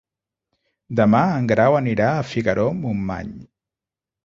Demà en Grau anirà a Figaró-Montmany.